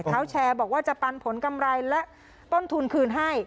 เท้าแชร์บอกว่าจะปันผลกำไรและต้นทุนคืนให้